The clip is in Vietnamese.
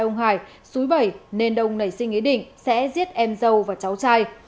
ông hải suối bẩy nên đông nảy sinh ý định sẽ giết em dâu và cháu trai